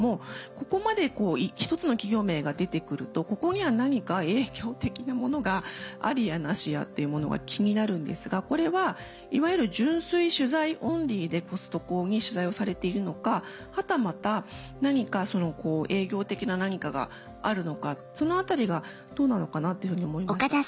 ここまで一つの企業名が出てくるとここには何か営業的なものがありやなしやっていうものは気になるんですがこれはいわゆる純粋取材オンリーでコストコに取材をされているのかはたまた何か営業的な何かがあるのかそのあたりがどうなのかなっていうふうに思いました。